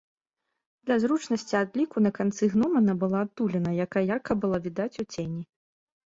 Для зручнасці адліку на канцы гномана была адтуліна, якая ярка была відаць у цені.